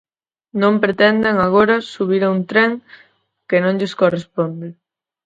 Non pretendan agora subir a un tren que non lles corresponde.